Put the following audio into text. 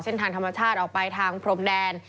เส้นทางธรรมชาติออกไปทางพรมแดน